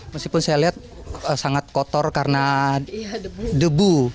meskipun saya lihat sangat kotor karena debu